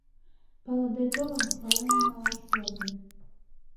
Палыде толын, пален малаш возын...